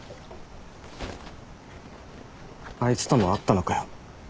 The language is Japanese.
あいつとも会ったのかよ。